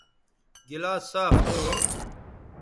گلاس صاف تھو